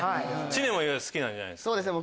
知念も好きなんじゃないですか？